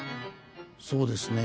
そうですね。